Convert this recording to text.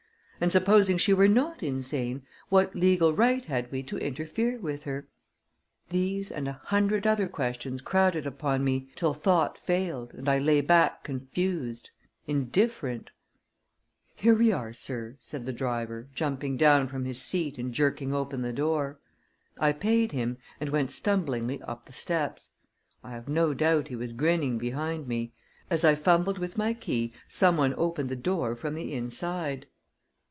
And, supposing she were not insane, what legal right had we to interfere with her? These and a hundred other questions crowded upon me, till thought failed, and I lay back confused, indifferent "Here we are, sir," said the driver, jumping down from his seat and jerking open the door. I paid him, and went stumblingly up the steps. I have no doubt he was grinning behind me. As I fumbled with my key, someone opened the door from the inside.